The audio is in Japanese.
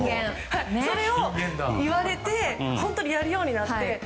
それを言われて本当にやるようになって。